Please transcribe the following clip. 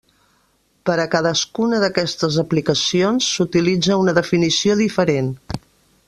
Per a cadascuna d'aquestes aplicacions, s'utilitza una definició diferent.